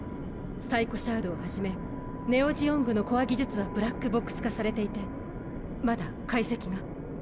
サイコシャードをはじめネオ・ジオングのコア技術はブラックボックス化されていてまだ解析が。